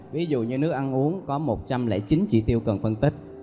ví dụ như nước ăn uống có một trăm linh chín trị tiêu cần phân tích